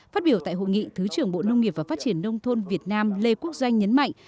phát biểu tại hội nghị thứ trưởng bộ nông nghiệp và phát triển nông thôn việt nam lê quốc doanh nhấn mạnh